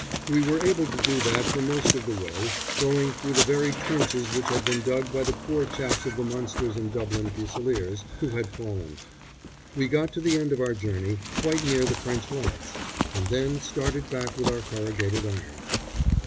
We were able to do that for most of the way, going through the very trenches which had been dug by the poor chaps of the Munsters and Dublin Fusiliers who had fallen. We got to the end of our journey, quite near the French lines, and then started back with our corrugated iron.